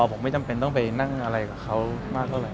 ผมไม่จำเป็นต้องไปนั่งอะไรกับเขามากเท่าไหร